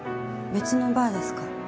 別のバーですか？